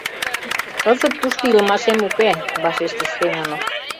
— Кызыт тушто илымашем уке, — вашештыш Семёнов.